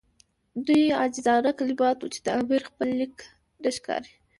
دومره عاجزانه کلمات وو چې د امیر خپل لیک نه ښکاري.